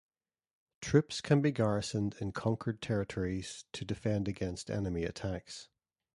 Troops can be garrisoned in conquered territories to defend against enemy attacks.